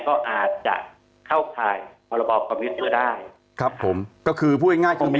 ก็อาจจะเข้าคลายประบอบความวิทย์เพื่อได้ครับผมก็คือผู้ง่ายง่ายคือมี